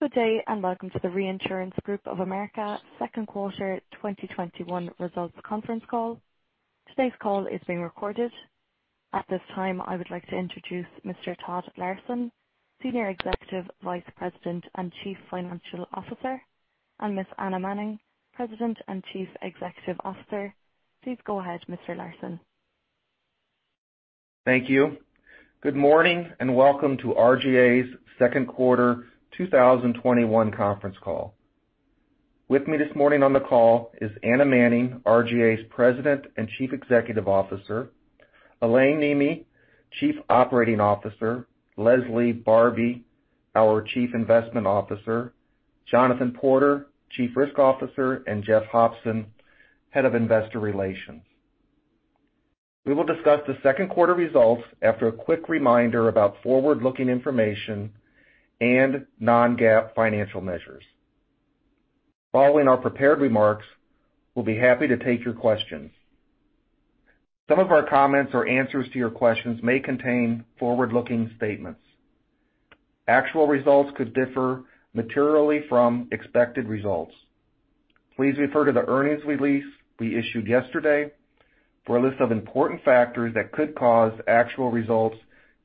Good day, and welcome to the Reinsurance Group of America Second Quarter 2021 Results Conference Call. Today's call is being recorded. At this time, I would like to introduce Mr. Todd Larson, Senior Executive Vice President and Chief Financial Officer, and Ms. Anna Manning, President and Chief Executive Officer. Please go ahead, Mr. Larson. Thank you. Good morning, and welcome to RGA's Second Quarter 2021 Conference Call. With me this morning on the call is Anna Manning, RGA's President and Chief Executive Officer, Alain Neemeh, Chief Operating Officer, Leslie Barbi, our Chief Investment Officer, Jonathan Porter, Chief Risk Officer, and Jeff Hopson, Head of Investor Relations. We will discuss the second quarter results after a quick reminder about forward-looking information and non-GAAP financial measures. Following our prepared remarks, we'll be happy to take your questions. Some of our comments or answers to your questions may contain forward-looking statements. Actual results could differ materially from expected results. Please refer to the earnings release we issued yesterday for a list of important factors that could cause actual results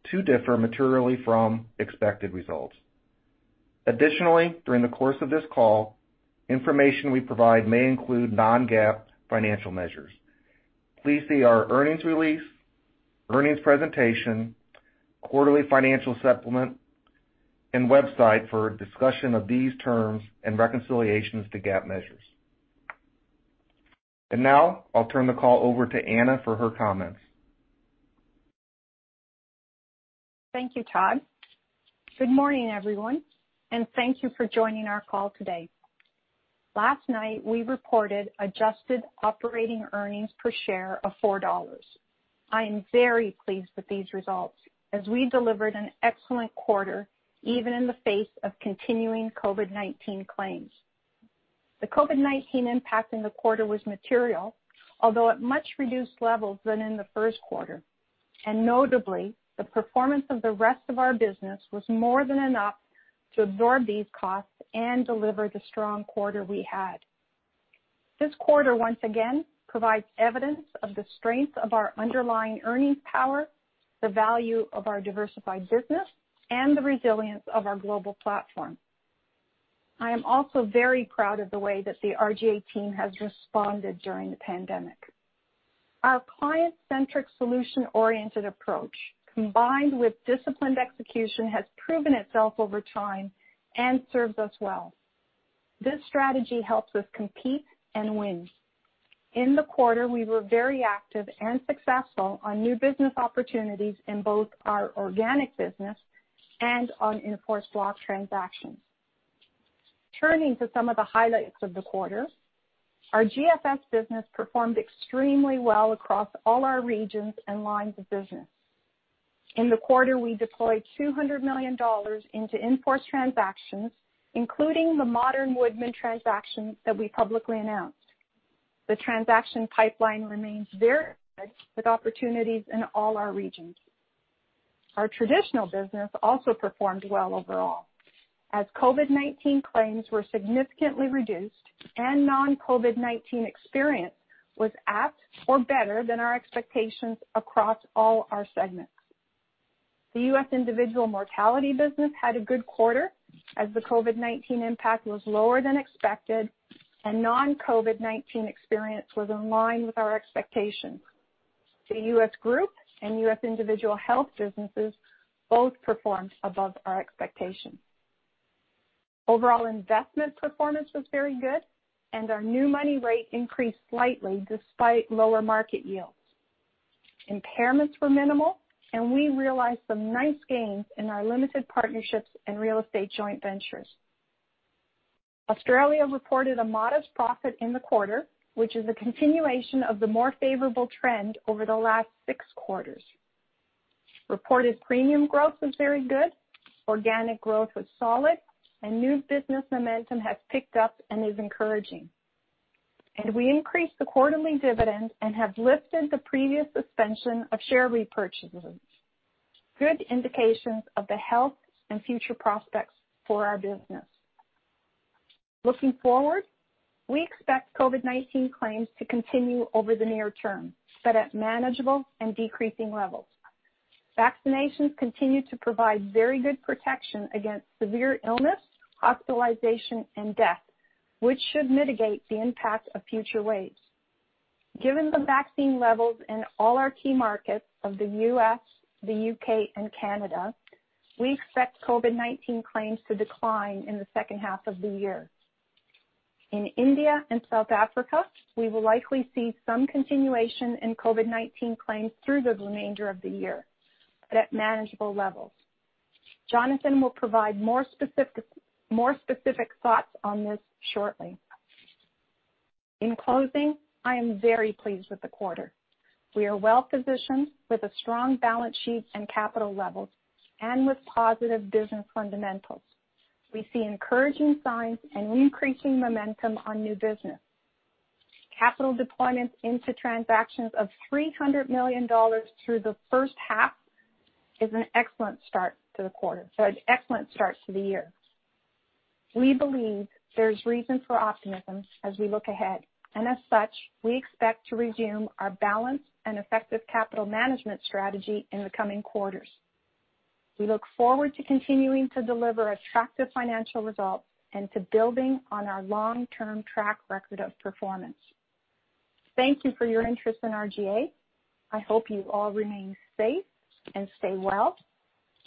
to differ materially from expected results. Additionally, during the course of this call, information we provide may include non-GAAP financial measures. Please see our earnings release, earnings presentation, quarterly financial supplement, and website for a discussion of these terms and reconciliations to GAAP measures. Now I'll turn the call over to Anna for her comments. Thank you, Todd. Good morning, everyone, and thank you for joining our call today. Last night, we reported adjusted operating earnings per share of $4. I am very pleased with these results as we delivered an excellent quarter, even in the face of continuing COVID-19 claims. The COVID-19 impact in the quarter was material, although at much reduced levels than in the first quarter, and notably, the performance of the rest of our business was more than enough to absorb these costs and deliver the strong quarter we had. This quarter, once again, provides evidence of the strength of our underlying earnings power, the value of our diversified business, and the resilience of our global platform. I am also very proud of the way that the RGA team has responded during the pandemic. Our client-centric, solution-oriented approach, combined with disciplined execution, has proven itself over time and serves us well. This strategy helps us compete and win. In the quarter, we were very active and successful on new business opportunities in both our organic business and on in-force block transactions. Turning to some of the highlights of the quarter, our GFS business performed extremely well across all our regions and lines of business. In the quarter, we deployed $200 million into in-force transactions, including the Modern Woodmen transaction that we publicly announced. The transaction pipeline remains very good with opportunities in all our regions. Our traditional business also performed well overall as COVID-19 claims were significantly reduced and non-COVID-19 experience was at or better than our expectations across all our segments. The U.S. individual mortality business had a good quarter as the COVID-19 impact was lower than expected and non-COVID-19 experience was in line with our expectations. The U.S. group and U.S. individual health businesses both performed above our expectations. Overall investment performance was very good, and our new money rate increased slightly despite lower market yields. Impairments were minimal, and we realized some nice gains in our limited partnerships and real estate joint ventures. Australia reported a modest profit in the quarter, which is a continuation of the more favorable trend over the last six quarters. Reported premium growth was very good, organic growth was solid, and new business momentum has picked up and is encouraging. We increased the quarterly dividend and have lifted the previous suspension of share repurchases, good indications of the health and future prospects for our business. Looking forward, we expect COVID-19 claims to continue over the near term, but at manageable and decreasing levels. Vaccinations continue to provide very good protection against severe illness, hospitalization, and death, which should mitigate the impact of future waves. Given the vaccine levels in all our key markets of the U.S., the U.K., and Canada, we expect COVID-19 claims to decline in the second half of the year. In India and South Africa, we will likely see some continuation in COVID-19 claims through the remainder of the year, but at manageable levels. Jonathan will provide more specific thoughts on this shortly. In closing, I am very pleased with the quarter. We are well-positioned with a strong balance sheet and capital levels and with positive business fundamentals. We see encouraging signs and increasing momentum on new business. Capital deployment into transactions of $300 million through the first half is an excellent start to the year. We believe there's reason for optimism as we look ahead, and as such, we expect to resume our balanced and effective capital management strategy in the coming quarters. We look forward to continuing to deliver attractive financial results and to building on our long-term track record of performance. Thank you for your interest in RGA. I hope you all remain safe and stay well.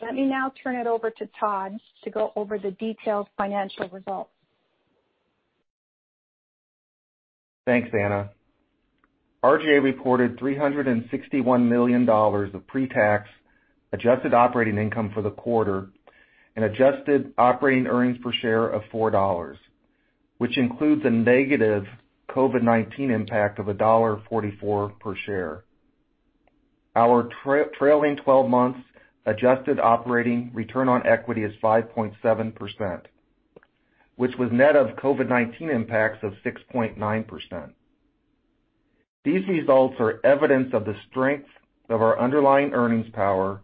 Let me now turn it over to Todd to go over the detailed financial results. Thanks, Anna. RGA reported $361 million of pre-tax adjusted operating income for the quarter and adjusted operating earnings per share of $4, which includes a negative COVID-19 impact of $1.44 per share. Our trailing 12 months adjusted operating return on equity is 5.7%, which was net of COVID-19 impacts of 6.9%. These results are evidence of the strength of our underlying earnings power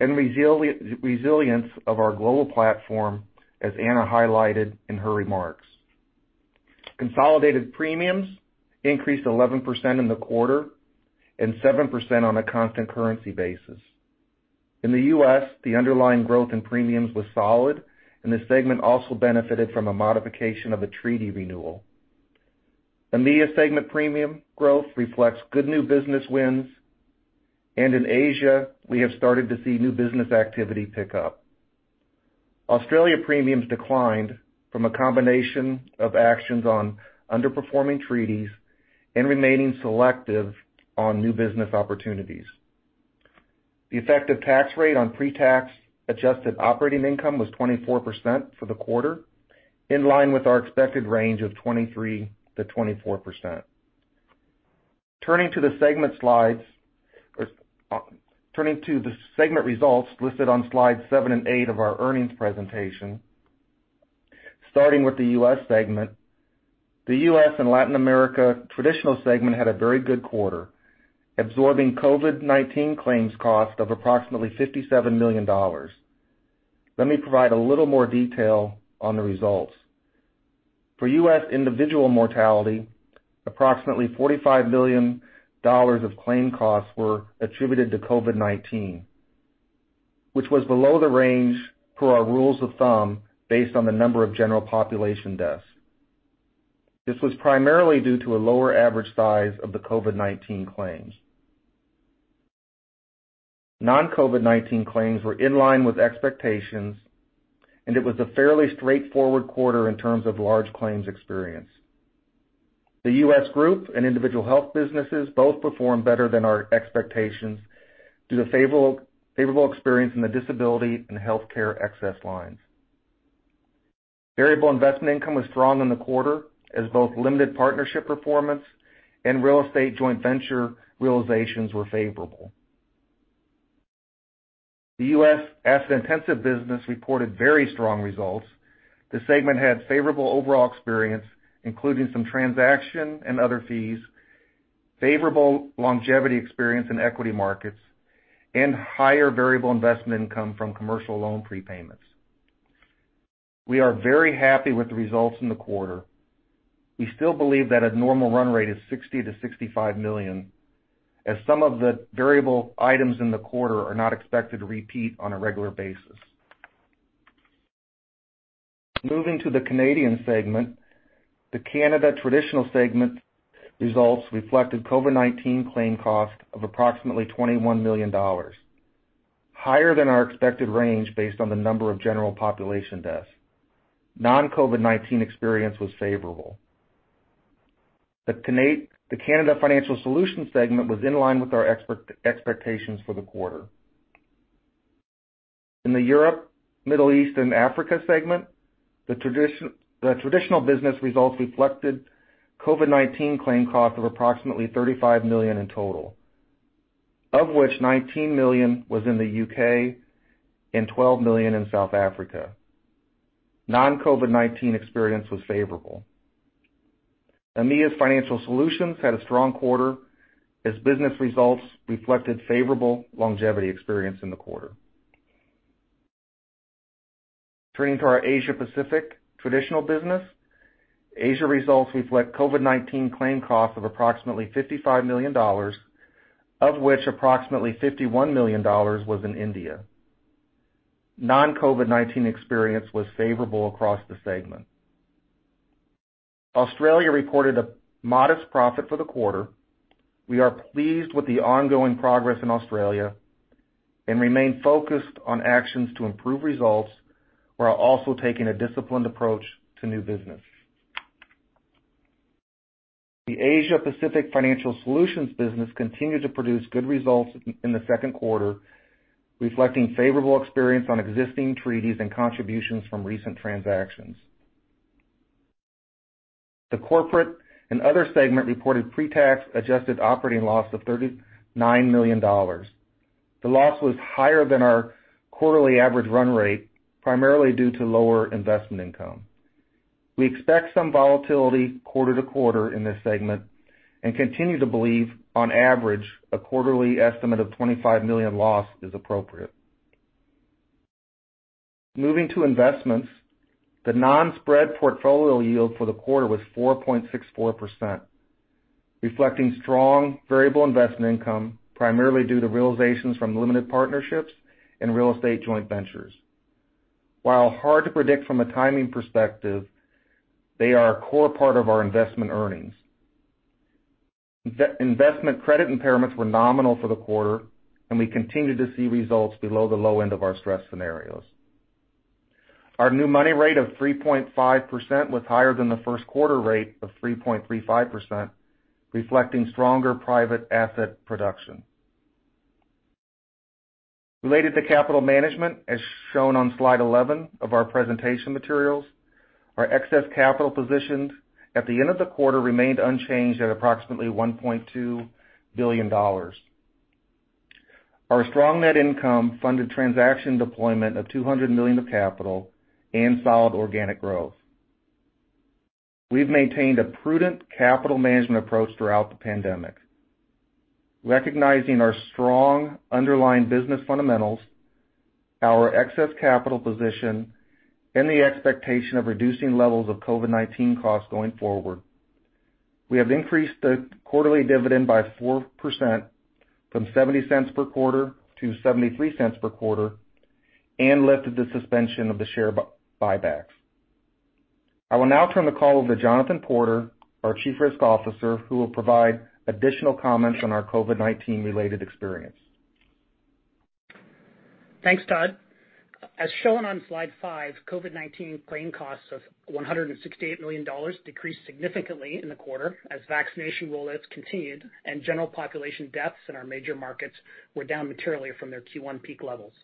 and resilience of our global platform, as Anna highlighted in her remarks. Consolidated premiums increased 11% in the quarter and 7% on a constant currency basis. In the U.S., the underlying growth in premiums was solid, and the segment also benefited from a modification of a treaty renewal. EMEA segment premium growth reflects good new business wins. In Asia, we have started to see new business activity pick up. Australia premiums declined from a combination of actions on underperforming treaties and remaining selective on new business opportunities. The effective tax rate on pre-tax adjusted operating income was 24% for the quarter, in line with our expected range of 23%-24%. Turning to the segment results listed on slides seven and eight of our earnings presentation. Starting with the U.S. segment, the U.S. and Latin America Traditional segment had a very good quarter, absorbing COVID-19 claims cost of approximately $57 million. Let me provide a little more detail on the results. For U.S. individual mortality, approximately $45 million of claim costs were attributed to COVID-19, which was below the range per our rules of thumb based on the number of general population deaths. This was primarily due to a lower average size of the COVID-19 claims. Non-COVID-19 claims were in line with expectations. It was a fairly straightforward quarter in terms of large claims experience. The U.S. Group and Individual Health businesses both performed better than our expectations due to favorable experience in the disability and healthcare excess lines. Variable investment income was strong in the quarter as both limited partnership performance and real estate joint venture realizations were favorable. The U.S. Asset Intensive business reported very strong results. The segment had favorable overall experience, including some transaction and other fees, favorable longevity experience in equity markets, and higher variable investment income from commercial loan prepayments. We are very happy with the results in the quarter. We still believe that a normal run rate is $60 million-$65 million, as some of the variable items in the quarter are not expected to repeat on a regular basis. Moving to the Canadian segment, the Canada Traditional segment results reflected COVID-19 claim cost of approximately $21 million, higher than our expected range based on the number of general population deaths. Non-COVID-19 experience was favorable. The Canada Financial Solutions segment was in line with our expectations for the quarter. In the Europe, Middle East, and Africa segment, the traditional business results reflected COVID-19 claim cost of approximately $35 million in total, of which $19 million was in the U.K. and $12 million in South Africa. Non-COVID-19 experience was favorable. EMEA's Financial Solutions had a strong quarter as business results reflected favorable longevity experience in the quarter. Turning to our Asia Pacific traditional business, Asia results reflect COVID-19 claim costs of approximately $55 million, of which approximately $51 million was in India. Non-COVID-19 experience was favorable across the segment. Australia reported a modest profit for the quarter. We are pleased with the ongoing progress in Australia and remain focused on actions to improve results, while also taking a disciplined approach to new business. The Asia Pacific Financial Solutions business continued to produce good results in the second quarter, reflecting favorable experience on existing treaties and contributions from recent transactions. The Corporate and Other segment reported pre-tax adjusted operating loss of $39 million. The loss was higher than our quarterly average run rate, primarily due to lower investment income. We expect some volatility quarter to quarter in this segment and continue to believe, on average, a quarterly estimate of $25 million loss is appropriate. Moving to investments, the non-spread portfolio yield for the quarter was 4.64%, reflecting strong variable investment income, primarily due to realizations from limited partnerships and real estate joint ventures. While hard to predict from a timing perspective, they are a core part of our investment earnings. Investment credit impairments were nominal for the quarter, and we continue to see results below the low end of our stress scenarios. Our new money rate of 3.5% was higher than the first quarter rate of 3.35%, reflecting stronger private asset production. Related to capital management, as shown on slide 11 of our presentation materials, our excess capital positions at the end of the quarter remained unchanged at approximately $1.2 billion. Our strong net income funded transaction deployment of $200 million of capital and solid organic growth. We've maintained a prudent capital management approach throughout the pandemic. Recognizing our strong underlying business fundamentals, our excess capital position, and the expectation of reducing levels of COVID-19 costs going forward, we have increased the quarterly dividend by 4%, from $0.70 per quarter to $0.73 per quarter, and lifted the suspension of the share buybacks. I will now turn the call over to Jonathan Porter, our Chief Risk Officer, who will provide additional comments on our COVID-19 related experience. Thanks, Todd. As shown on slide five, COVID-19 claim costs of $168 million decreased significantly in the quarter as vaccination rollouts continued and general population deaths in our major markets were down materially from their Q1 peak levels.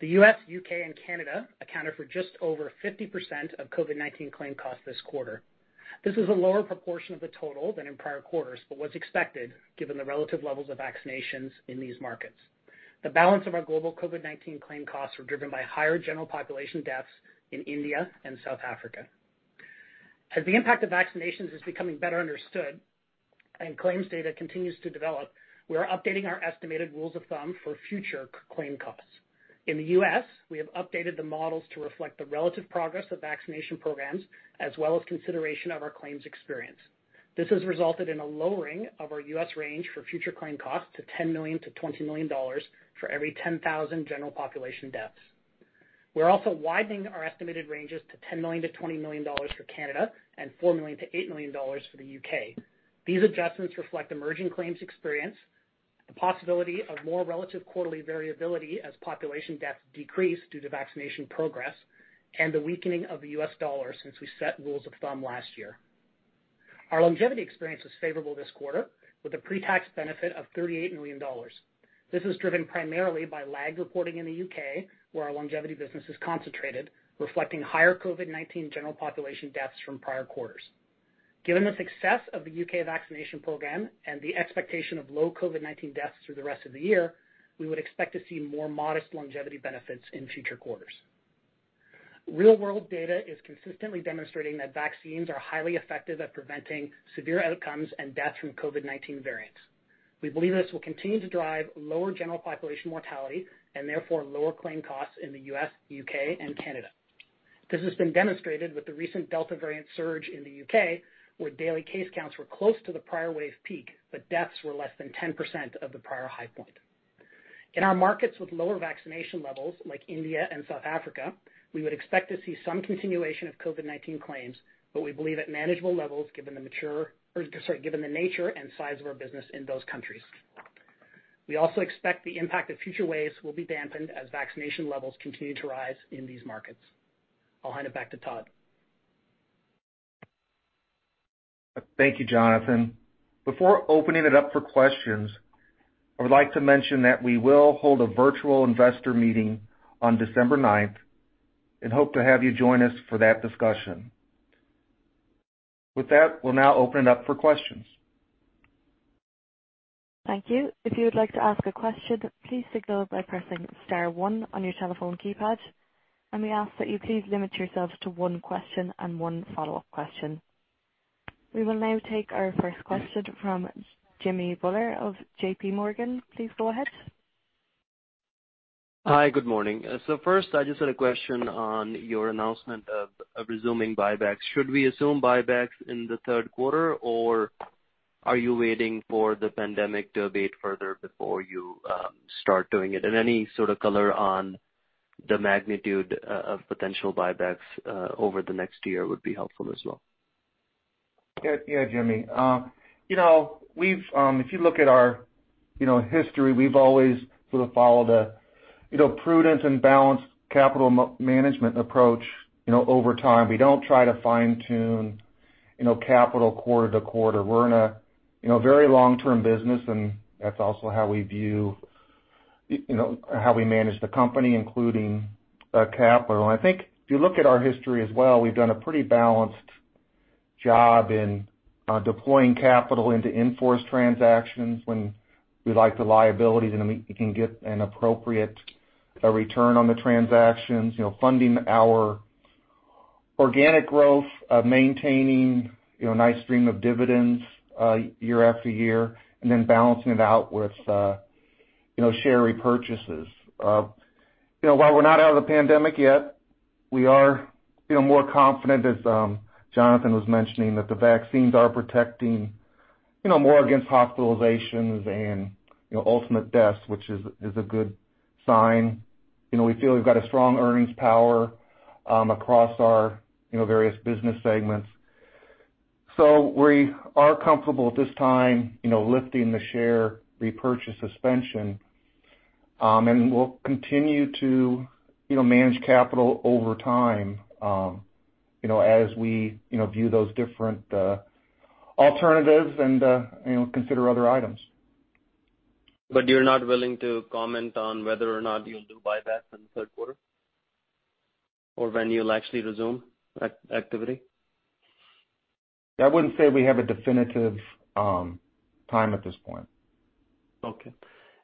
The U.S., U.K., and Canada accounted for just over 50% of COVID-19 claim costs this quarter. This is a lower proportion of the total than in prior quarters, but was expected given the relative levels of vaccinations in these markets. The balance of our global COVID-19 claim costs were driven by higher general population deaths in India and South Africa. As the impact of vaccinations is becoming better understood and claims data continues to develop, we are updating our estimated rules of thumb for future claim costs. In the U.S., we have updated the models to reflect the relative progress of vaccination programs, as well as consideration of our claims experience. This has resulted in a lowering of our U.S. range for future claim costs to $10 million-$20 million for every 10,000 general population deaths. We're also widening our estimated ranges to $10 million-$20 million for Canada, and $4 million-$8 million for the U.K. These adjustments reflect emerging claims experience, the possibility of more relative quarterly variability as population deaths decrease due to vaccination progress, and the weakening of the U.S. dollar since we set rules of thumb last year. Our longevity experience was favorable this quarter, with a pre-tax benefit of $38 million. This is driven primarily by lag reporting in the U.K., where our longevity business is concentrated, reflecting higher COVID-19 general population deaths from prior quarters. Given the success of the U.K. vaccination program and the expectation of low COVID-19 deaths through the rest of the year, we would expect to see more modest longevity benefits in future quarters. Real-world data is consistently demonstrating that vaccines are highly effective at preventing severe outcomes and deaths from COVID-19 variants. We believe this will continue to drive lower general population mortality, and therefore lower claim costs in the U.S., U.K., and Canada. This has been demonstrated with the recent Delta variant surge in the U.K., where daily case counts were close to the prior wave peak, but deaths were less than 10% of the prior high point. In our markets with lower vaccination levels, like India and South Africa, we would expect to see some continuation of COVID-19 claims, but we believe at manageable levels given the nature and size of our business in those countries. We also expect the impact of future waves will be dampened as vaccination levels continue to rise in these markets. I'll hand it back to Todd. Thank you, Jonathan. Before opening it up for questions, I would like to mention that we will hold a virtual investor meeting on December 9th. Hope to have you join us for that discussion. With that, we'll now open it up for questions. Thank you. If you would like to ask a question, please signal by pressing star one on your telephone keypad. We ask that you please limit yourselves to one question and one follow-up question. We will now take our first question from Jimmy Bhullar of JPMorgan. Please go ahead. Hi. Good morning. First, I just had a question on your announcement of resuming buybacks. Should we assume buybacks in the third quarter, or are you waiting for the pandemic to abate further before you start doing it? And any sort of color on the magnitude of potential buybacks over the next year would be helpful as well. Yeah, Jimmy. If you look at our history, we've always sort of followed a prudent and balanced capital management approach over time. We don't try to fine-tune capital quarter to quarter. We're in a very long-term business, and that's also how we manage the company, including capital. I think if you look at our history as well, we've done a pretty balanced job in deploying capital into in-force transactions when we like the liabilities, and we can get an appropriate return on the transactions, funding our organic growth, maintaining a nice stream of dividends year after year, and then balancing it out with share repurchases. While we're not out of the pandemic yet, we are feeling more confident, as Jonathan was mentioning, that the vaccines are protecting more against hospitalizations and ultimate deaths, which is a good sign. We feel we've got a strong earnings power across our various business segments. We are comfortable at this time lifting the share repurchase suspension. We'll continue to manage capital over time as we view those different alternatives and consider other items. You're not willing to comment on whether or not you'll do buybacks in the third quarter, or when you'll actually resume activity? I wouldn't say we have a definitive time at this point. Okay.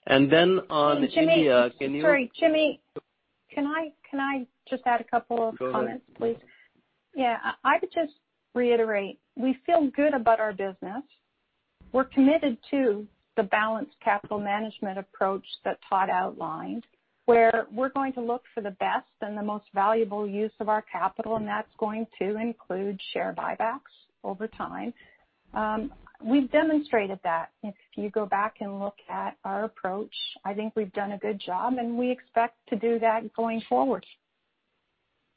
Then on India. Jimmy. Sorry, Jimmy, can I just add a couple of comments, please? Go ahead. Yeah. I would just reiterate, we feel good about our business. We're committed to the balanced capital management approach that Todd outlined, where we're going to look for the best and the most valuable use of our capital, and that's going to include share buybacks over time. We've demonstrated that. If you go back and look at our approach, I think we've done a good job, and we expect to do that going forward.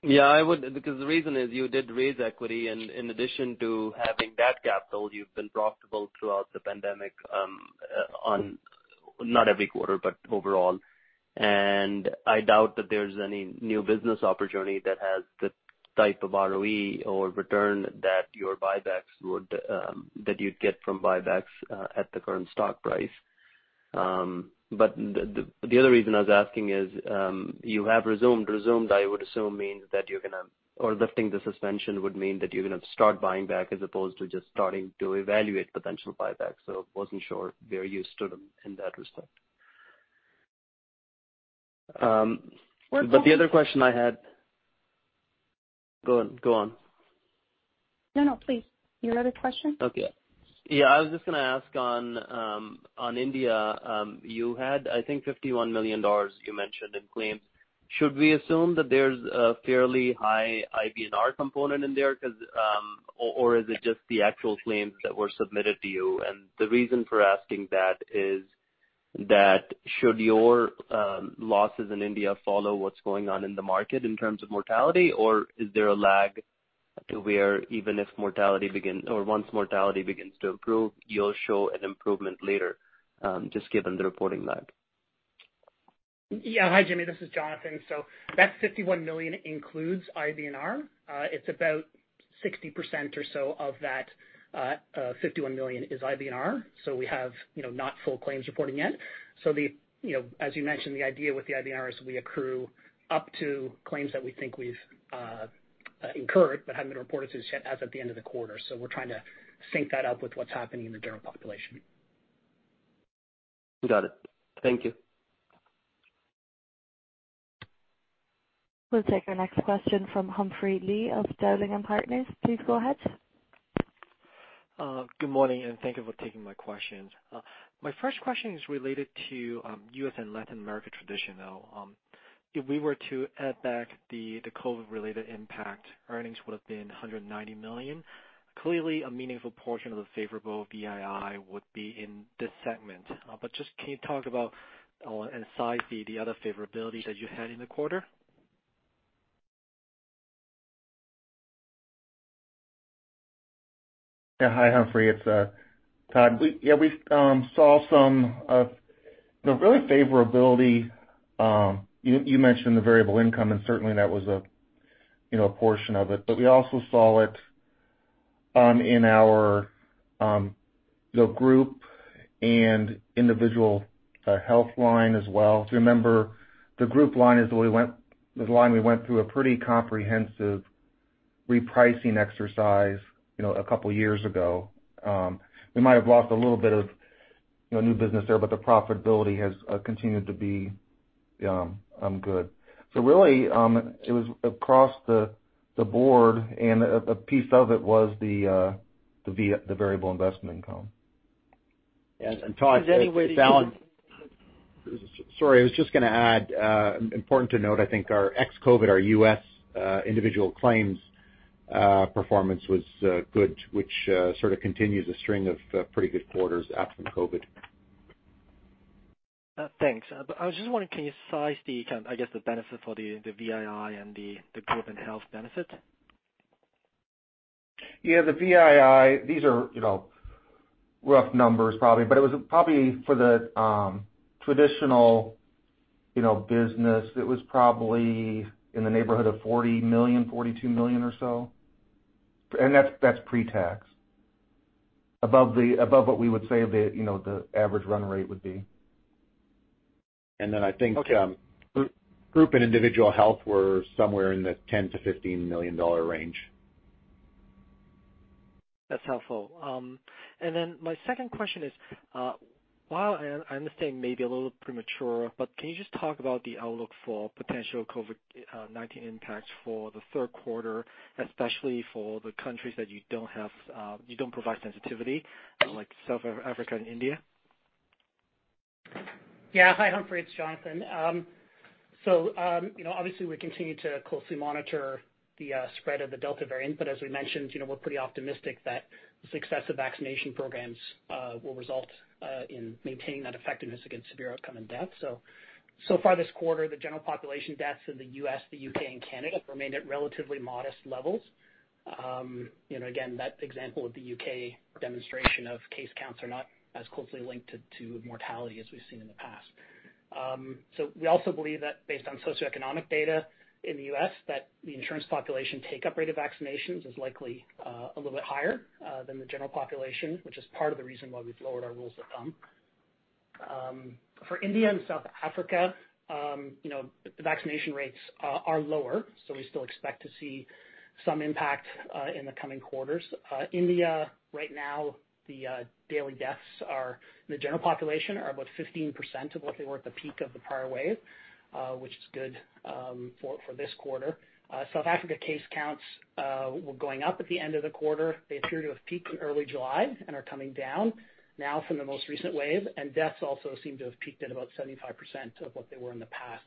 Yeah, I would, because the reason is you did raise equity, and in addition to having that capital, you've been profitable throughout the pandemic on, not every quarter, but overall. I doubt that there's any new business opportunity that has the type of ROE or return that you'd get from buybacks at the current stock price. The other reason I was asking is, you have resumed. Resumed, I would assume means that you're going to, or lifting the suspension would mean that you're going to start buying back as opposed to just starting to evaluate potential buybacks. I wasn't sure where you stood in that respect. The other question I had. Go on. No, please. Your other question? Okay. Yeah, I was just going to ask on India, you had, I think, $51 million you mentioned in claims. Should we assume that there's a fairly high IBNR component in there, or is it just the actual claims that were submitted to you? The reason for asking that is that should your losses in India follow what's going on in the market in terms of mortality, or is there a lag to where even if mortality begins, or once mortality begins to improve, you'll show an improvement later, just given the reporting lag? Hi, Jimmy. This is Jonathan. That $51 million includes IBNR. It's about 60% or so of that $51 million is IBNR. We have not full claims reporting yet. As you mentioned, the idea with the IBNR is we accrue up to claims that we think we've incurred but haven't been reported to us yet as of the end of the quarter. We're trying to sync that up with what's happening in the general population. Got it. Thank you. We'll take our next question from Humphrey Lee of Dowling & Partners. Please go ahead. Good morning. Thank you for taking my questions. My first question is related to U.S. and Latin America traditional. If we were to add back the COVID-related impact, earnings would have been $190 million. Clearly, a meaningful portion of the favorable VII would be in this segment. Just can you talk about and size the other favorability that you had in the quarter? Yeah. Hi, Humphrey. It's Todd. We saw some of the really favorability, you mentioned the variable income. Certainly that was a portion of it. We also saw it in our group and individual health line as well. Remember, the group line is the line we went through a pretty comprehensive repricing exercise a couple of years ago. We might have lost a little bit of new business there, but the profitability has continued to be good. Really, it was across the board, and a piece of it was the variable investment income. Sorry, I was just going to add, important to note, I think our ex-COVID, our U.S. individual claims performance was good, which sort of continues a string of pretty good quarters absent COVID. Thanks. I was just wondering, can you size the, I guess, the benefit for the VII and the group and health benefit? Yeah, the VII, these are rough numbers probably, but it was probably for the traditional business, it was probably in the neighborhood of $40 million-$42 million or so. That's pre-tax. Above what we would say the average run rate would be. And then I think group and individual health were somewhere in the $10 million-$15 million range. That's helpful. My second question is, while I understand it may be a little premature, can you just talk about the outlook for potential COVID-19 impacts for the third quarter, especially for the countries that you don't provide sensitivity, like South Africa and India? Hi, Humphrey, it's Jonathan. Obviously we continue to closely monitor the spread of the Delta variant, but as we mentioned, we're pretty optimistic that the success of vaccination programs will result in maintaining that effectiveness against severe outcome and death. So far this quarter, the general population deaths in the U.S., the U.K., and Canada have remained at relatively modest levels. Again, that example of the U.K. demonstration of case counts are not as closely linked to mortality as we've seen in the past. We also believe that based on socioeconomic data in the U.S., that the insurance population take-up rate of vaccinations is likely a little bit higher than the general population, which is part of the reason why we've lowered our rules of thumb. For India and South Africa, the vaccination rates are lower, so we still expect to see some impact in the coming quarters. India, right now, the daily deaths in the general population are about 15% of what they were at the peak of the prior wave, which is good for this quarter. South Africa case counts were going up at the end of the quarter. They appear to have peaked in early July and are coming down now from the most recent wave, and deaths also seem to have peaked at about 75% of what they were in the past.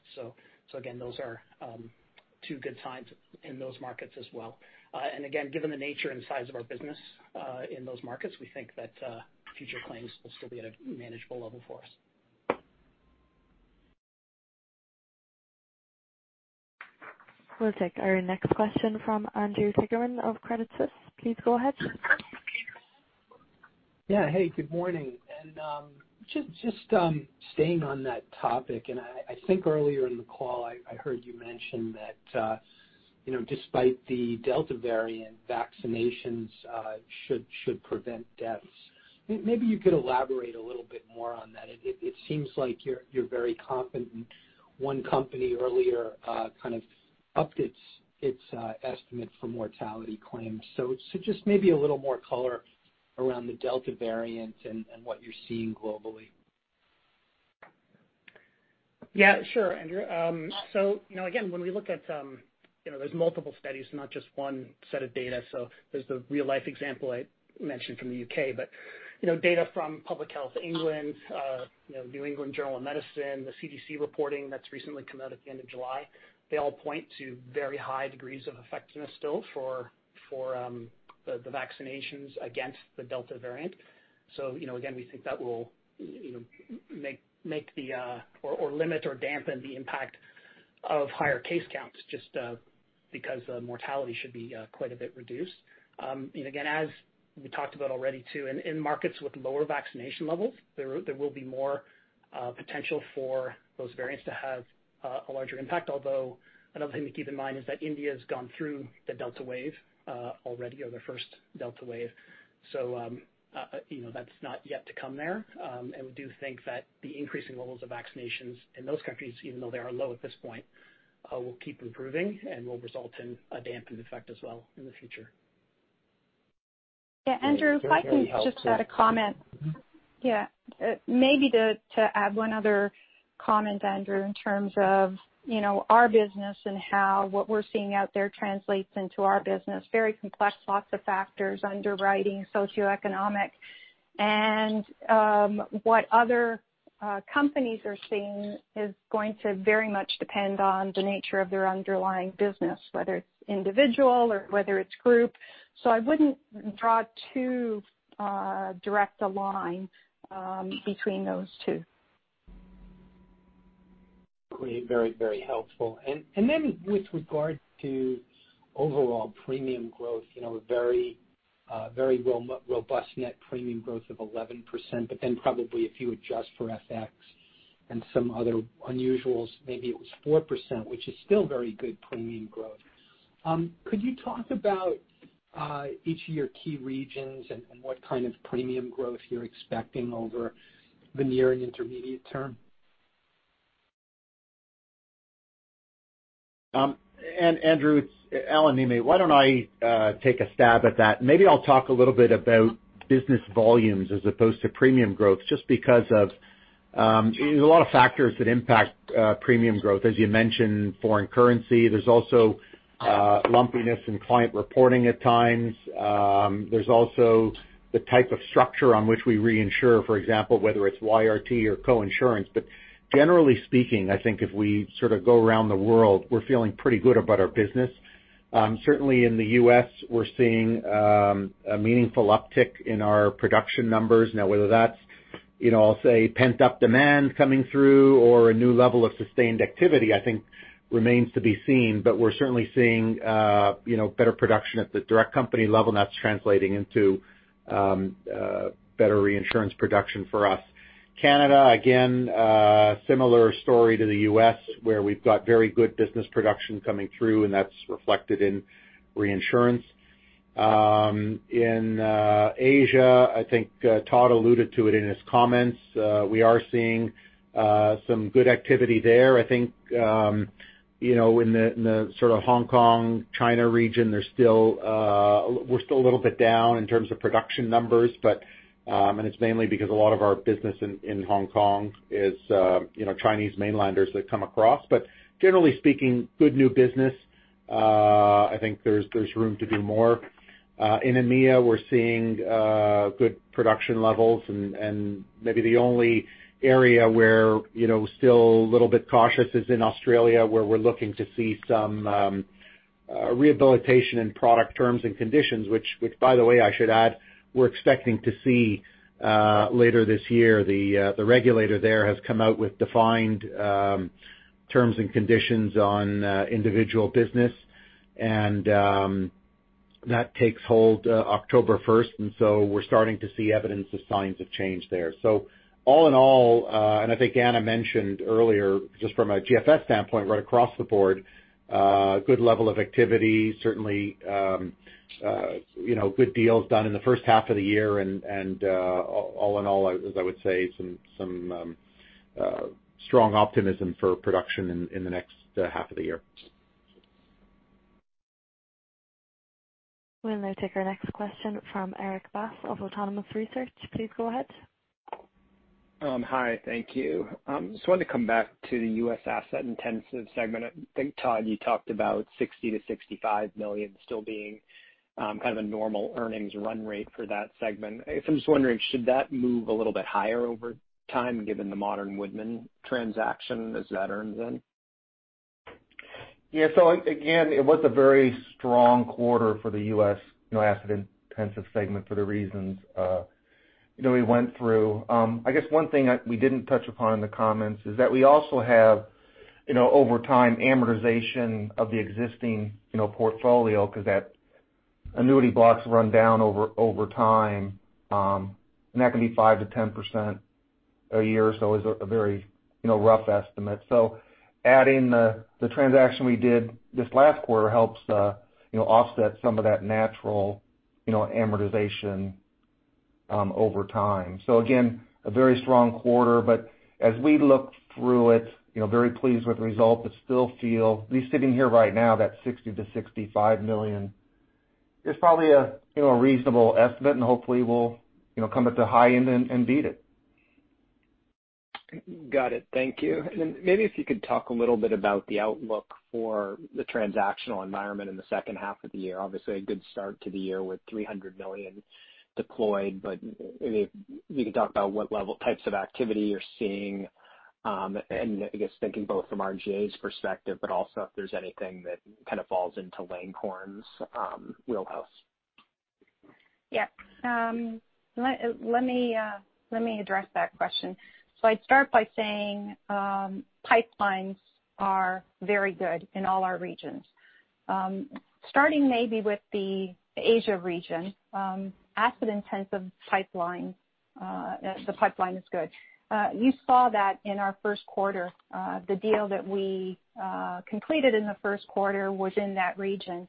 Again, those are two good signs in those markets as well. Again, given the nature and size of our business in those markets, we think that future claims will still be at a manageable level for us. We'll take our next question from Andrew Kligerman of Credit Suisse. Please go ahead. Yeah. Hey, good morning. Just staying on that topic, I think earlier in the call, I heard you mention that despite the Delta variant, vaccinations should prevent deaths. Maybe you could elaborate a little bit more on that. It seems like you're very confident in one company earlier kind of upped its estimate for mortality claims. Just maybe a little more color around the Delta variant and what you're seeing globally. Andrew. Again, when we look at, there's multiple studies, not just one set of data. There's the real-life example I mentioned from the U.K., but data from Public Health England, New England Journal of Medicine, the CDC reporting that's recently come out at the end of July, they all point to very high degrees of effectiveness still for the vaccinations against the Delta variant. Again, we think that will make or limit or dampen the impact of higher case counts just because the mortality should be quite a bit reduced. Again, as we talked about already too, in markets with lower vaccination levels, there will be more potential for those variants to have a larger impact. Although, another thing to keep in mind is that India has gone through the Delta wave already, or their first Delta wave. That's not yet to come there. We do think that the increasing levels of vaccinations in those countries, even though they are low at this point, will keep improving and will result in a dampened effect as well in the future. Yeah, Andrew, if I can just add a comment. Yeah. Maybe to add one other comment, Andrew, in terms of our business and how what we're seeing out there translates into our business, very complex, lots of factors, underwriting, socioeconomic, and what other companies are seeing is going to very much depend on the nature of their underlying business, whether it's individual or whether it's group. I wouldn't draw too direct a line between those two. Great. Very helpful. With regard to overall premium growth, a very robust net premium growth of 11%, probably if you adjust for FX and some other unusuals, maybe it was 4%, which is still very good premium growth. Could you talk about each of your key regions and what kind of premium growth you're expecting over the near and intermediate term? Andrew, it's Alain Néeme. Why don't I take a stab at that? Maybe I'll talk a little bit about business volumes as opposed to premium growth, just because of there's a lot of factors that impact premium growth. As you mentioned, foreign currency. There's also lumpiness in client reporting at times. There's also the type of structure on which we reinsure, for example, whether it's YRT or coinsurance. Generally speaking, I think if we sort of go around the world, we're feeling pretty good about our business. Certainly in the U.S., we're seeing a meaningful uptick in our production numbers. Whether that's, I'll say, pent-up demand coming through or a new level of sustained activity, I think remains to be seen, but we're certainly seeing better production at the direct company level, and that's translating into better reinsurance production for us. Canada, again, a similar story to the U.S., where we've got very good business production coming through, and that's reflected in reinsurance. In Asia, I think Todd alluded to it in his comments. We are seeing some good activity there. I think, in the Hong Kong, China region, we're still a little bit down in terms of production numbers, and it's mainly because a lot of our business in Hong Kong is Chinese mainlanders that come across. Generally speaking, good new business. I think there's room to do more. In EMEA, we're seeing good production levels and maybe the only area where, still a little bit cautious is in Australia, where we're looking to see some rehabilitation in product terms and conditions. By the way, I should add, we're expecting to see later this year. The regulator there has come out with defined terms and conditions on individual business, and that takes hold October 1st, so we're starting to see evidence of signs of change there. All in all, and I think Anna mentioned earlier, just from a GFS standpoint, right across the board, good level of activity, certainly good deals done in the first half of the year and all in all, as I would say, some strong optimism for production in the next half of the year. We'll now take our next question from Erik Bass of Autonomous Research. Please go ahead. Hi, thank you. Just wanted to come back to the U.S. asset intensive segment. I think, Todd Larson, you talked about $60 million-$65 million still being kind of a normal earnings run rate for that segment. I'm just wondering, should that move a little bit higher over time given the Modern Woodmen transaction as that earns in? Again, it was a very strong quarter for the U.S. asset intensive segment for the reasons that we went through. I guess one thing that we didn't touch upon in the comments is that we also have, over time, amortization of the existing portfolio because that annuity blocks run down over time, and that can be 5%-10% a year. It's a very rough estimate. Adding the transaction we did this last quarter helps offset some of that natural amortization over time. Again, a very strong quarter, but as we look through it, very pleased with the result, but still feel at least sitting here right now that $60 million-$65 million is probably a reasonable estimate and hopefully will come at the high end and beat it. Got it. Thank you. Then maybe if you could talk a little bit about the outlook for the transactional environment in the second half of the year. Obviously a good start to the year with $300 million deployed, but if you could talk about what level types of activity you're seeing, and I guess thinking both from RGA's perspective, but also if there's anything that kind of falls into Langhorne's wheelhouse? Yeah. Let me address that question. I'd start by saying pipelines are very good in all our regions. Starting maybe with the Asia region, asset intensive pipeline, the pipeline is good. You saw that in our first quarter. The deal that we completed in the first quarter was in that region.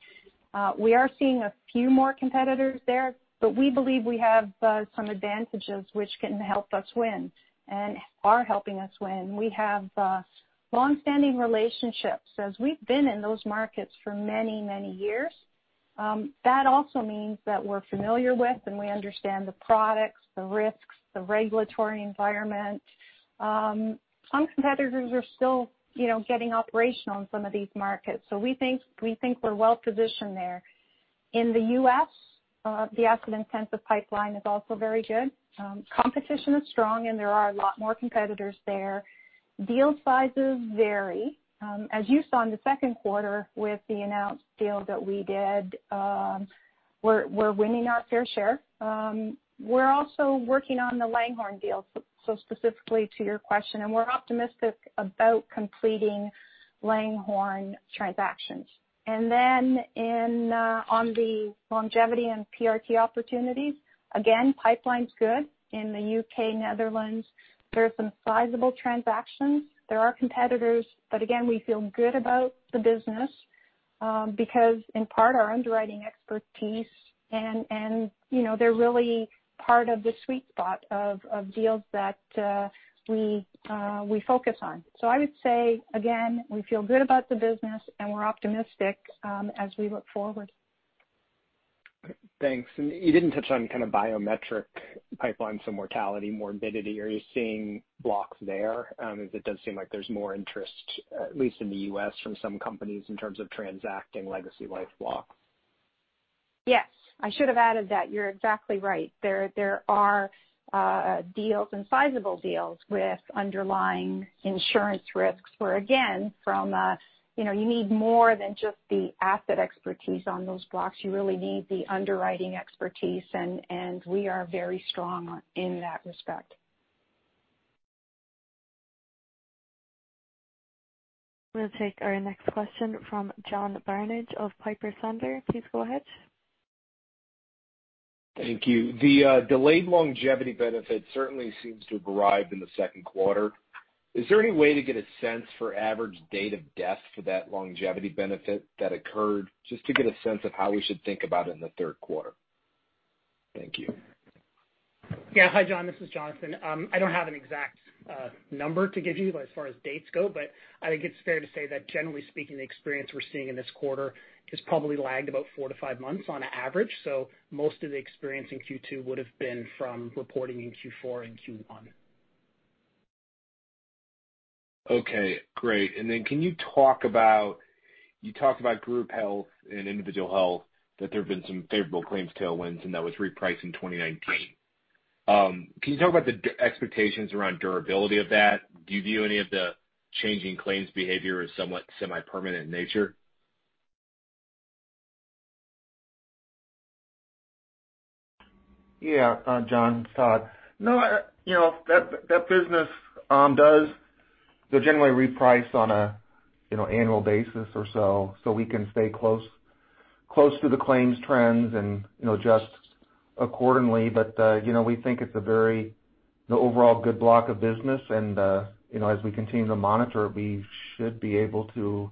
We are seeing a few more competitors there, but we believe we have some advantages which can help us win and are helping us win. We have longstanding relationships as we've been in those markets for many years. That also means that we're familiar with, and we understand the products, the risks, the regulatory environment. Some competitors are still getting operational in some of these markets. We think we're well-positioned there. In the U.S., the asset intensive pipeline is also very good. Competition is strong, and there are a lot more competitors there. Deal sizes vary. As you saw in the second quarter with the announced deal that we did, we're winning our fair share. We're also working on the Langhorne deal, so specifically to your question, and we're optimistic about completing Langhorne transactions. On the longevity and PRT opportunities, again, pipeline's good in the U.K., Netherlands. There are some sizable transactions. There are competitors, but again, we feel good about the business because in part, our underwriting expertise and they're really part of the sweet spot of deals that we focus on. I would say again, we feel good about the business and we're optimistic as we look forward. Thanks. You didn't touch on kind of biometric pipeline, so mortality, morbidity. Are you seeing blocks there? Because it does seem like there's more interest, at least in the U.S. from some companies in terms of transacting legacy life blocks. Yes. I should have added that. You're exactly right. There are deals and sizable deals with underlying insurance risks, where, again, you need more than just the asset expertise on those blocks. You really need the underwriting expertise, and we are very strong in that respect. We'll take our next question from John Barnidge of Piper Sandler. Please go ahead. Thank you. The delayed longevity benefit certainly seems to have arrived in the second quarter. Is there any way to get a sense for average date of death for that longevity benefit that occurred, just to get a sense of how we should think about it in the third quarter? Thank you. Hi, John, this is Jonathan. I don't have an exact number to give you as far as dates go, but I think it's fair to say that generally speaking, the experience we're seeing in this quarter has probably lagged about four to five months on average. Most of the experience in Q2 would've been from reporting in Q4 and Q1. Okay, great. You talked about group health and individual health, that there have been some favorable claims tailwinds and that was repriced in 2019. Can you talk about the expectations around durability of that? Do you view any of the changing claims behavior as somewhat semi-permanent in nature? Yeah. John, it's Todd. No, that business does genuinely reprice on an annual basis or so we can stay close to the claims trends and adjust accordingly. We think it's a very overall good block of business and as we continue to monitor, we should be able to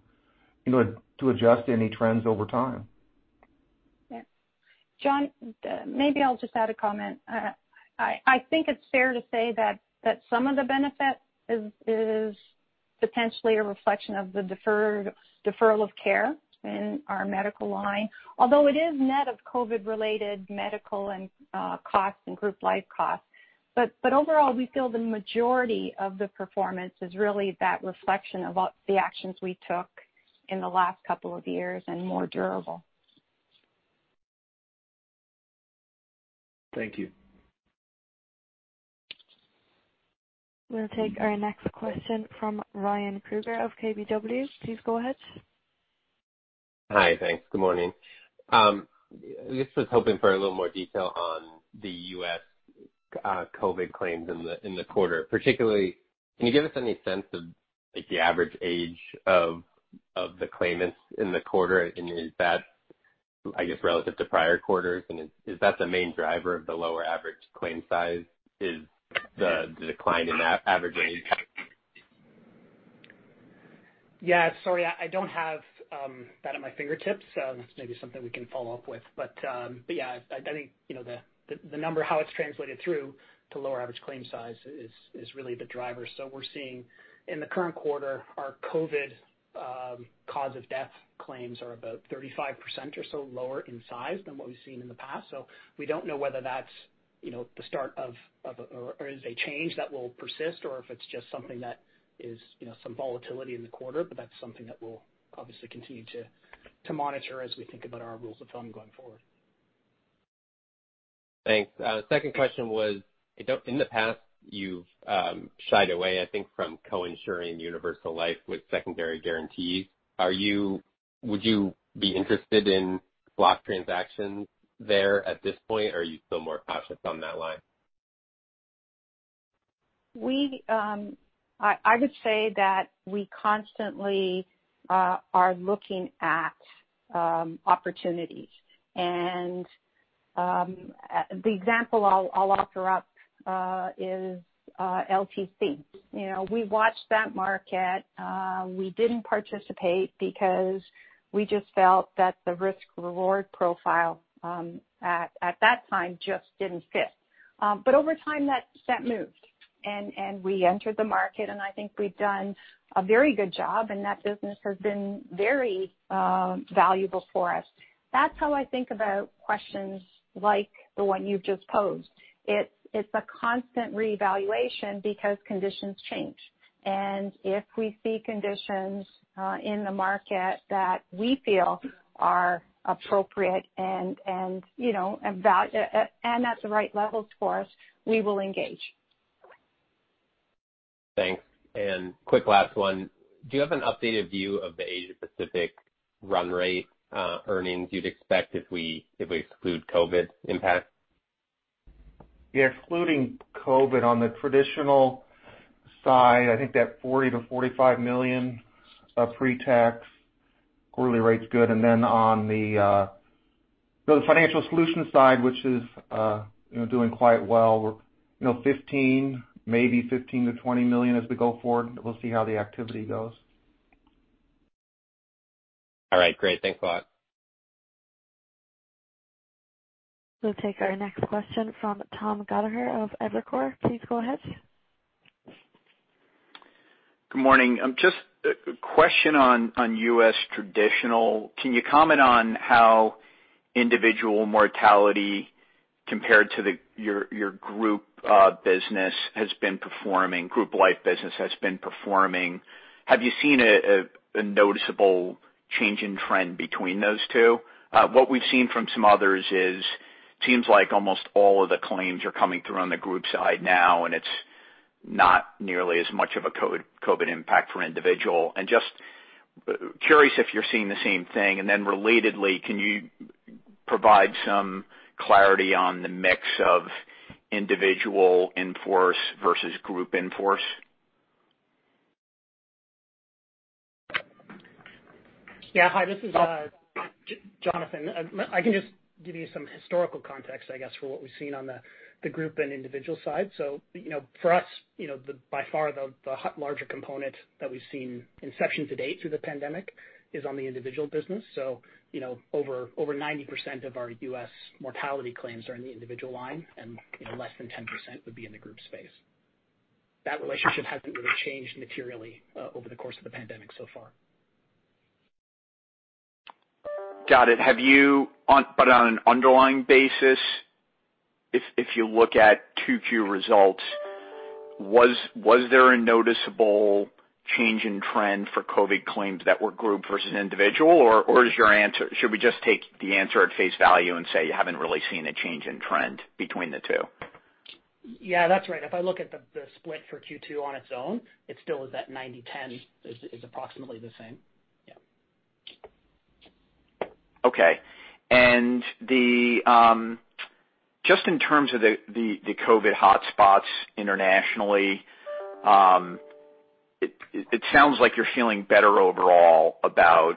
adjust any trends over time. Yeah. John, maybe I'll just add a comment. I think it's fair to say that some of the benefit is potentially a reflection of the deferral of care in our medical line, although it is net of COVID related medical and costs and group life costs. Overall, we feel the majority of the performance is really that reflection of the actions we took in the last couple of years and more durable. Thank you. We'll take our next question from Ryan Krueger of KBW. Please go ahead. Hi. Thanks. Good morning. Was hoping for a little more detail on the U.S. COVID claims in the quarter. Particularly, can you give us any sense of the average age of the claimants in the quarter, I guess, relative to prior quarters, is that the main driver of the lower average claim size? Is the decline in average age? Sorry, I don't have that at my fingertips. That's maybe something we can follow up with. I think the number, how it's translated through to lower average claim size is really the driver. We're seeing in the current quarter, our COVID-cause-of-death claims are about 35% or so lower in size than what we've seen in the past. We don't know whether that's the start of a, or is a change that will persist or if it's just something that is some volatility in the quarter. That's something that we'll obviously continue to monitor as we think about our rules of thumb going forward. Thanks. Second question was, in the past you've shied away, I think, from co-insuring universal life with secondary guarantees. Would you be interested in block transactions there at this point, or are you still more cautious on that line? I would say that we constantly are looking at opportunities, and the example I'll offer up is LTC. We watched that market. We didn't participate because we just felt that the risk-reward profile at that time just didn't fit. Over time that moved, and we entered the market, and I think we've done a very good job, and that business has been very valuable for us. That's how I think about questions like the one you've just posed. It's a constant reevaluation because conditions change, and if we see conditions in the market that we feel are appropriate and at the right levels for us, we will engage. Thanks. Quick last one. Do you have an updated view of the Asia Pacific run rate earnings you'd expect if we exclude COVID-19 impact? Excluding COVID on the traditional side, I think that $40 million-$45 million of pre-tax quarterly rate's good. On the financial solutions side, which is doing quite well, maybe $15 million-$20 million as we go forward. We'll see how the activity goes. All right, great. Thanks a lot. We'll take our next question from Tom Gallagher of Evercore. Please go ahead. Good morning. A question on U.S. Traditional. Can you comment on how individual mortality compared to your group business has been performing, group life business has been performing? Have you seen a noticeable change in trend between those two? What we've seen from some others is, seems like almost all of the claims are coming through on the group side now, it's not nearly as much of a COVID-19 impact for individual. Just curious if you're seeing the same thing. Relatedly, can you provide some clarity on the mix of individual in force versus group in force? Yeah. Hi, this is Jonathan. I can just give you some historical context, I guess, for what we've seen on the Group and Individual side. For us, by far the larger component that we've seen inception to date through the pandemic is on the Individual business. Over 90% of our U.S. mortality claims are in the Individual line, and less than 10% would be in the Group space. That relationship hasn't really changed materially over the course of the pandemic so far. Got it. On an underlying basis, if you look at 2Q results, was there a noticeable change in trend for COVID claims that were group versus individual? Should we just take the answer at face value and say you haven't really seen a change in trend between the two? Yeah, that's right. If I look at the split for Q2 on its own, it still is at 90/10, is approximately the same. Yeah. Okay. Just in terms of the COVID hotspots internationally, it sounds like you're feeling better overall about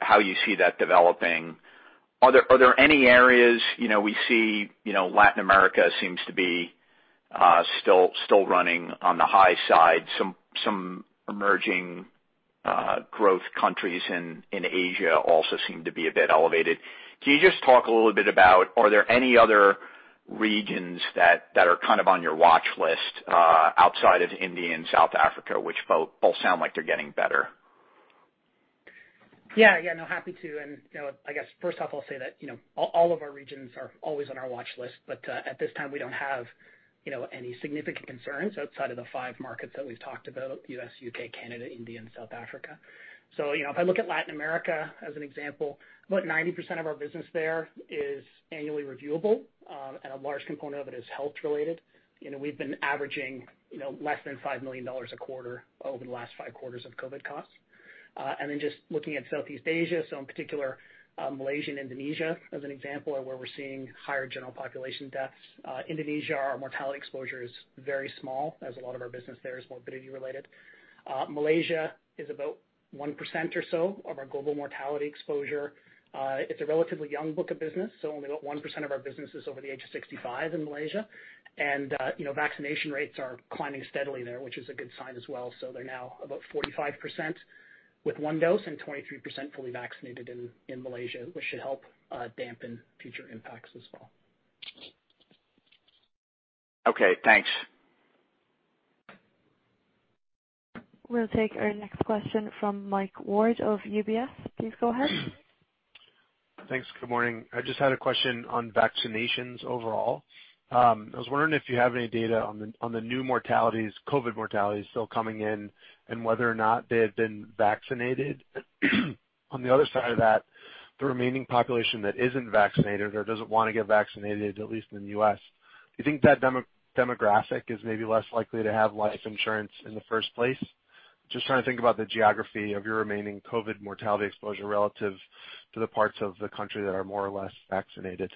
how you see that developing. Are there any areas, we see Latin America seems to be still running on the high side. Some emerging growth countries in Asia also seem to be a bit elevated. Can you just talk a little bit about, are there any other regions that are kind of on your watch list outside of India and South Africa, which both sound like they're getting better? Happy to. First off, I'll say that all of our regions are always on our watch list, but at this time, we don't have any significant concerns outside of the five markets that we've talked about, U.S., U.K., Canada, India, and South Africa. If I look at Latin America as an example, about 90% of our business there is annually reviewable, and a large component of it is health-related. We've been averaging less than $5 million a quarter over the last five quarters of COVID costs. Just looking at Southeast Asia, in particular Malaysia and Indonesia as an example of where we're seeing higher general population deaths. Indonesia, our mortality exposure is very small, as a lot of our business there is morbidity-related. Malaysia is about 1% or so of our global mortality exposure. It's a relatively young book of business, so only about 1% of our business is over the age of 65 in Malaysia. Vaccination rates are climbing steadily there, which is a good sign as well. They're now about 45% with one dose and 23% fully vaccinated in Malaysia, which should help dampen future impacts as well. Okay, thanks. We'll take our next question from Mike Ward of UBS. Please go ahead. Thanks. Good morning. I just had a question on vaccinations overall. I was wondering if you have any data on the new mortalities, COVID mortalities still coming in and whether or not they have been vaccinated. On the other side of that, the remaining population that isn't vaccinated or doesn't want to get vaccinated, at least in the U.S., do you think that demographic is maybe less likely to have life insurance in the first place? Just trying to think about the geography of your remaining COVID mortality exposure relative to the parts of the country that are more or less vaccinated.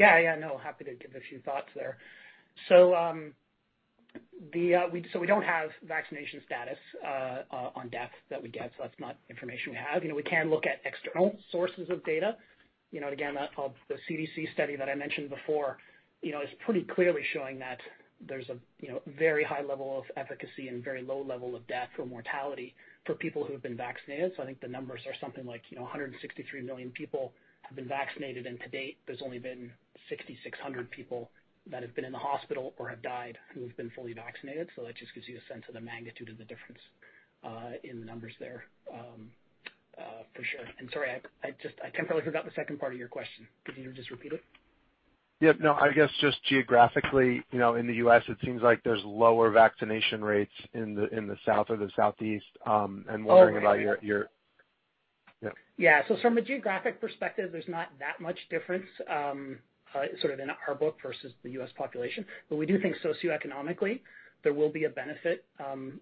Happy to give a few thoughts there. We don't have vaccination status on deaths that we get, so that's not information we have. We can look at external sources of data. Again, the CDC study that I mentioned before is pretty clearly showing that there's a very high level of efficacy and very low level of death or mortality for people who have been vaccinated. I think the numbers are something like 163 million people have been vaccinated, and to date, there's only been 6,600 people that have been in the hospital or have died who have been fully vaccinated. That just gives you a sense of the magnitude of the difference in the numbers there for sure. Sorry, I temporarily forgot the second part of your question. Could you just repeat it? Yeah, no, I guess just geographically in the U.S., it seems like there's lower vaccination rates in the South or the Southeast and wondering about your. From a geographic perspective, there's not that much difference sort of in our book versus the U.S. population. We do think socioeconomically there will be a benefit. From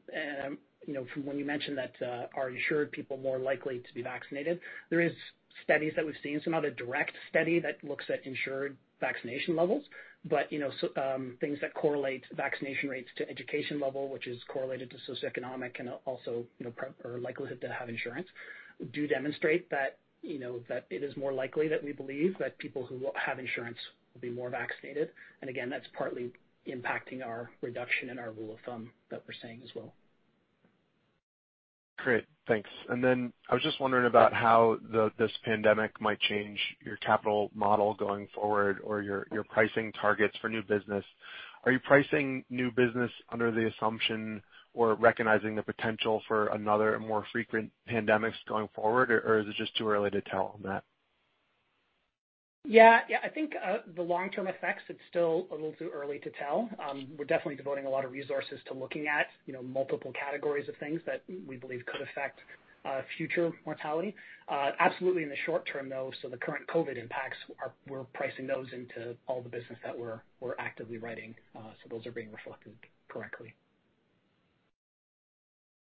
when you mentioned that are insured people more likely to be vaccinated, there is studies that we've seen, it's not a direct study that looks at insured vaccination levels, but things that correlate vaccination rates to education level, which is correlated to socioeconomic and also likelihood to have insurance, do demonstrate that it is more likely that we believe that people who have insurance will be more vaccinated. Again, that's partly impacting our reduction in our rule of thumb that we're seeing as well. Great, thanks. I was just wondering about how this pandemic might change your capital model going forward or your pricing targets for new business. Are you pricing new business under the assumption or recognizing the potential for another more frequent pandemics going forward, or is it just too early to tell on that? Yeah. I think the long-term effects, it's still a little too early to tell. We're definitely devoting a lot of resources to looking at multiple categories of things that we believe could affect future mortality. Absolutely in the short term, though, the current COVID impacts, we're pricing those into all the business that we're actively writing. Those are being reflected correctly.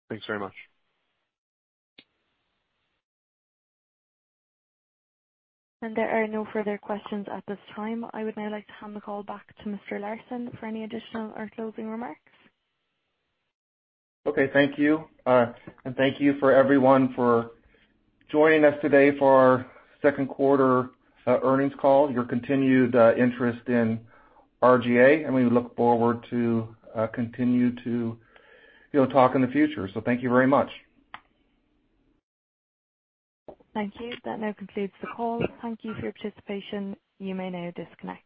Thanks very much. There are no further questions at this time. I would now like to hand the call back to Mr. Larson for any additional or closing remarks. Okay, thank you. Thank you for everyone for joining us today for our second quarter earnings call, your continued interest in RGA, and we look forward to continue to talk in the future. Thank you very much. Thank you. That now concludes the call. Thank you for your participation. You may now disconnect.